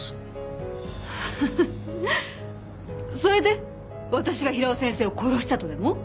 ハハッそれで私が平尾先生を殺したとでも？